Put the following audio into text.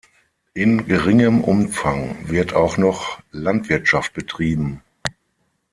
In geringem Umfang wird auch noch Landwirtschaft betrieben.